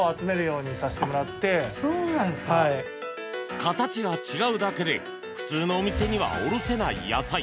形が違うだけで普通のお店には卸せない野菜。